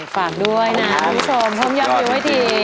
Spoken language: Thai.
ฝากด้วยนะคุณผู้ชมพร้อมยังอยู่ที่